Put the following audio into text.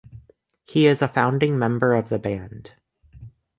He is a founding member of the band.